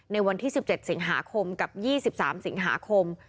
ในวันที่สิบเจ็ดสิงหาคมกับยี่สิบสามสิงหาคม